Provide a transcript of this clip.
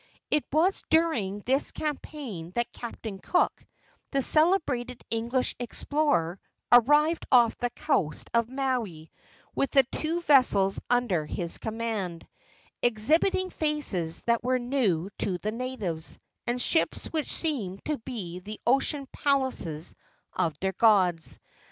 It was during this campaign that Captain Cook, the celebrated English explorer, arrived off the coast of Maui with the two vessels under his command, exhibiting faces that were new to the natives, and ships which seemed to be the ocean palaces of their gods.